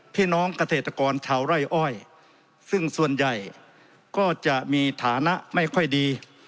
พี่น้องเกษตรกรชาวไร่อ้อยซึ่งส่วนใหญ่ก็จะมีฐานะไม่ค่อยดี